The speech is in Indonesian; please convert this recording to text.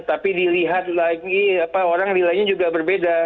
tapi dilihat lagi orang nilainya juga berbeda